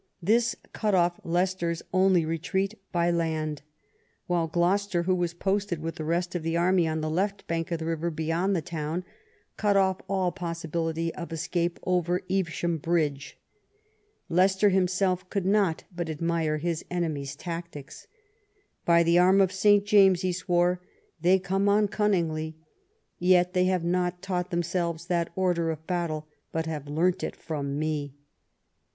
This cut off Leicester's only retreat by land, Avhilc Gloucester, who was posted with the rest of the army on the left bank of the river beyond the town, cut off all n EDWARD AND THE BARONS' WARS 41 possibility of escape over Evesham bridge. Leicester himself could not but admire his enemies' tactics. "By the arm of St. James," he swore, " they come on cun ningly. Yet they have not taught themselves that order of battle, but have learnt it from me."